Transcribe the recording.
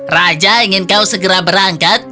raja ingin kau segera berangkat